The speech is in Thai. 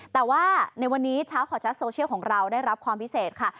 แต่ว่าในวันนี้เช้าข่าวชัดโซเชียลของเราได้รับความพิเศษค่ะ